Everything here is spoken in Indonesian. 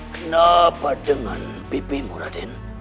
mereka sudah sangat well agak riset